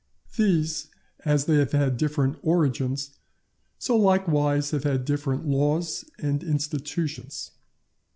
These as they have had different origins, so likewise have had different laws and institutions.